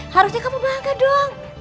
harusnya kamu bangga dong